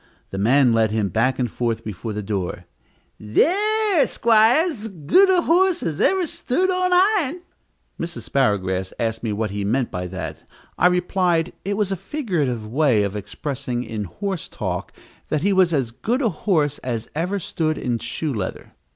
The man led him back and forth before the door. "There, 'squire, 's as good a hos as ever stood on iron." Mrs. Sparrowgrass asked me what he meant by that. I replied, it was a figurative way of expressing, in horse talk, that he was as good a horse as ever stood in shoe leather.